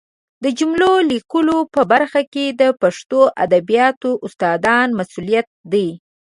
د جملو لیکلو په برخه کې د پښتو ادبیاتو استادانو مسؤلیت دی